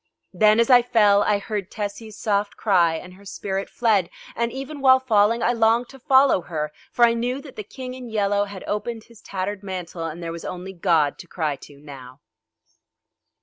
Then, as I fell, I heard Tessie's soft cry and her spirit fled: and even while falling I longed to follow her, for I knew that the King in Yellow had opened his tattered mantle and there was only God to cry to now.